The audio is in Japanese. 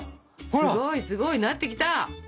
すごいすごいなってきた！